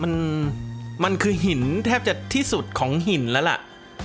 มันมันคือหินแทบจะที่สุดของหินแล้วล่ะ